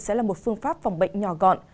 sẽ là một phương pháp phòng bệnh nhỏ gọn